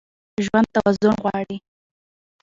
ژوند توازن غواړي.